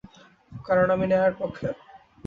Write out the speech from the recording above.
কারণ আমি ন্যায়ের পক্ষে।